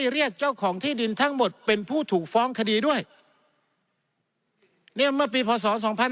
เนี่ยเมื่อปีพศ๒๕๖๓